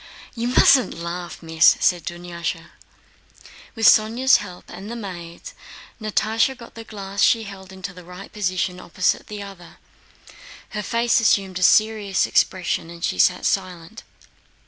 "You mustn't laugh, Miss," said Dunyásha. With Sónya's help and the maid's, Natásha got the glass she held into the right position opposite the other; her face assumed a serious expression and she sat silent.